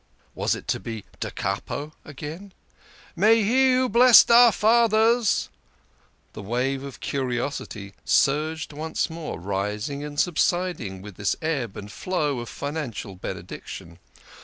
Was it to be da capo again ?" May He who blessed our fathers !" The wave of curiosity surged once more, rising and sub siding with this ebb and flow of financial Benediction.